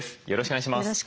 よろしくお願いします。